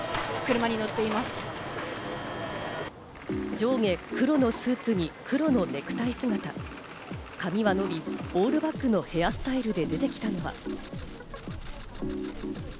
上下黒のスーツに黒のネクタイ姿、髪は伸び、オールバックのヘアスタイルで出てきたのは。